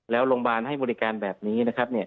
แล้วโรงพยาบาลให้บริการแบบนี้นะครับ